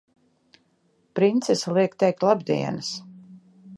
Princese liek teikt labdienas!